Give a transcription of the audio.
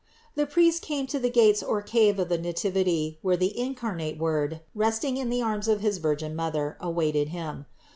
531. The priest came to the gates or cave of the Nativity, where the incarnate Word, resting in the arms of his Virgin Mother, awaited him.